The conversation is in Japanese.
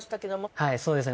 はいそうですね